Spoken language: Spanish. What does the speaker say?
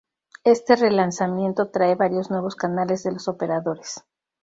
Este relanzamiento trae varios nuevos canales de los operadores.